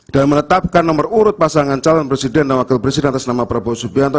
dan menetapkan nomor urut pasangan calon presiden dan wakil presiden atas nama prabowo subianto